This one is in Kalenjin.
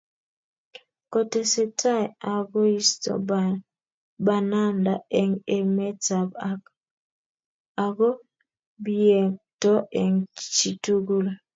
Kotesetai akoisto bananda eng emetab ako biyengto eng chitugul